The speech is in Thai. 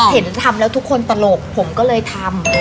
เห็นทำแล้วทุกคนตลกผมก็เลยทำ